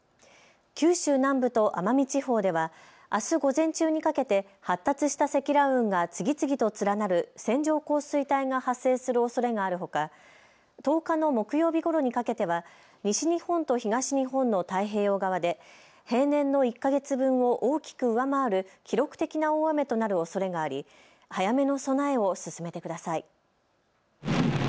九州南部と奄美地方ではあす午前中にかけて発達した積乱雲が次々と連なる線状降水帯が発生するおそれがあるほか、１０日の木曜日ごろにかけては西日本と東日本の太平洋側で平年の１か月分を大きく上回る記録的な大雨となるおそれがあり早めの備えを進めてください。